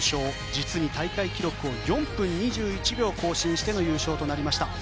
実に大会記録を４分２１秒更新しての優勝となりました。